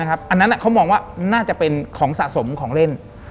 อันนั้นเขามองว่าน่าจะเป็นของสะสมของเล่น